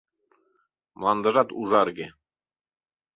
Мландыжат ужарге